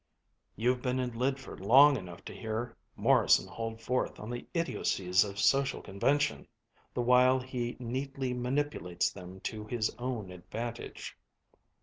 "You've been in Lydford long enough to hear Morrison hold forth on the idiocies of social convention, the while he neatly manipulates them to his own advantage."